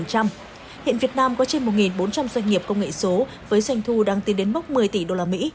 hiện việt nam có trên một bốn trăm linh doanh nghiệp công nghệ số với doanh thu đang tiến đến mốc một mươi tỷ usd